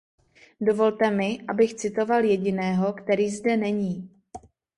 Dovolte mi, abych citoval jediného, který zde není.